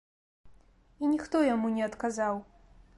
І ніхто яму не адказаў.